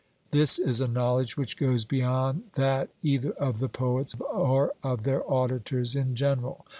This is a knowledge which goes beyond that either of the poets or of their auditors in general.